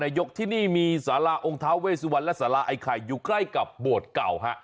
ยกที่นี่มีสาราองค์ท้าเวสุวรรณและสาราไอ้ไข่อยู่ใกล้กับโบสถ์เก่าฮะ